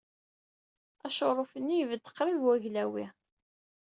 Acṛuf-nni yebded qrib waglawi.